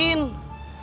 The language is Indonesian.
itu sama lah